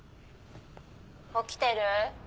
起きてる？